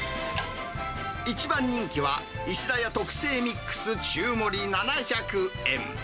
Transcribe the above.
一番人気は、石田屋特製ミックス中盛り７００円。